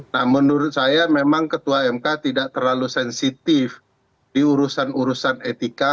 nah menurut saya memang ketua mk tidak terlalu sensitif diurusan urusan etika